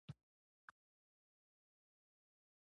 د سبقت په وخت کې مقابل لوري ته پام پکار دی